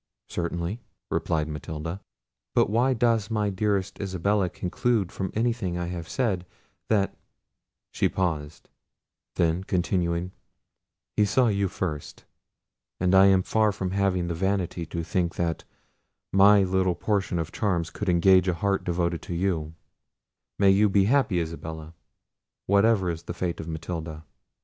"Certainly," replied Matilda; "but why does my dearest Isabella conclude from anything I have said, that"—she paused—then continuing: "he saw you first, and I am far from having the vanity to think that my little portion of charms could engage a heart devoted to you; may you be happy, Isabella, whatever is the fate of Matilda!"